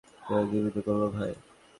কিভাবে জীবিত করবো, ভাই।